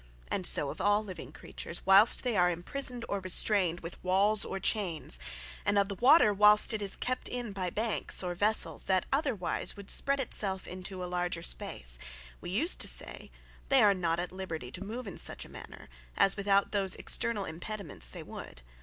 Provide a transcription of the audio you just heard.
And so of all living creatures, whilest they are imprisoned, or restrained, with walls, or chayns; and of the water whilest it is kept in by banks, or vessels, that otherwise would spread it selfe into a larger space, we use to say, they are not at Liberty, to move in such manner, as without those externall impediments they would.